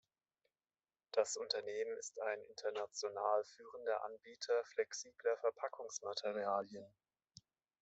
Das Unternehmen ist ein international führender Anbieter flexibler Verpackungsmaterialien.